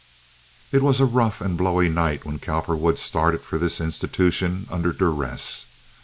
It was a rough and blowy night when Cowperwood started for this institution under duress.